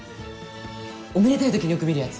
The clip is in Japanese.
おめでたい時によく見るやつ。